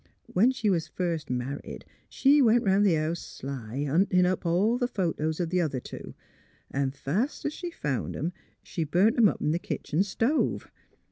When she was first mar ried she went 'round the house sly, huntin' up all the photos of th' other two, an' fas' 's she found 'em she burnt 'em up in th' kitchen stove.